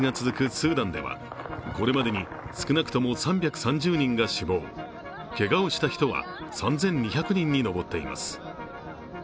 スーダンでは、これまでに少なくとも３３０人が死亡けがをした人は３２００人に上っています。